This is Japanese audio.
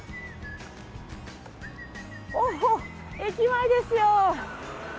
おお駅前ですよ。